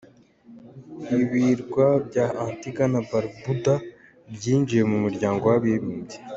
Ibirwa bya Antigua and Barbuda byinjiye mu muryango w’abibumbye.